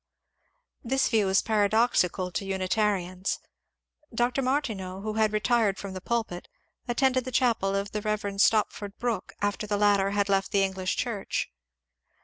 This view was paradoxical to Unitarians. Dr. Martineau, who had retired from the pulpit, attended the chapel of the Rev. Stopford Brooke after the latter had left the English Church.